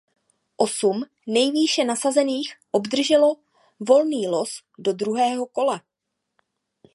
Osm nejvýše nasazených obdrželo volný los do druhého kola.